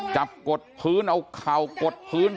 กดพื้นเอาเข่ากดพื้น